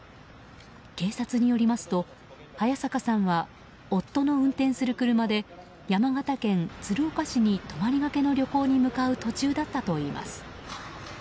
警察によりますと早坂さんは夫の運転する車で山形県鶴岡市に泊りがけの旅行に向かう途中だったといいます。